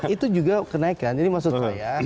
itu juga kenaikan jadi maksud saya